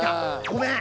ごめん！